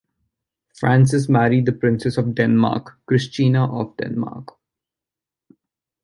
Francis married the princess of Denmark, Christina of Denmark.